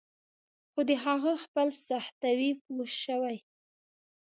خو د هغه ځپل سختوي پوه شوې!.